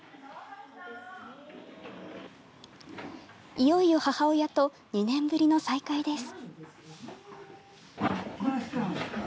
いよいよ母親と２年ぶりの再会です。